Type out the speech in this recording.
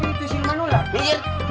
nangkep si tusi liman dulu